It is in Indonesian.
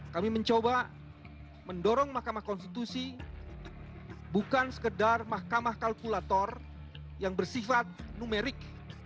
kami mencoba mendorong mahkamah konstitusi bukan sekedar mahkamah kalkulator yang bersifat numerik